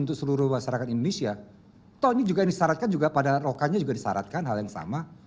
toh ini juga disaratkan juga pada rokannya juga disaratkan hal yang sama